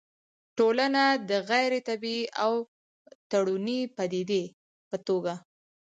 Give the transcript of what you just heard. ټولنه د غيري طبيعي او تړوني پديدې په توګه